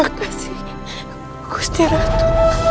terima kasih gusti ratu